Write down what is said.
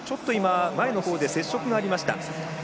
前のほうで接触がありました。